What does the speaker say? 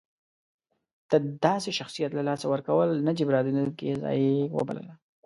د داسې شخصیت له لاسه ورکول نه جبرانېدونکې ضایعه وبلله.